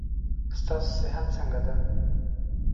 ستاسو صحت څنګه ده.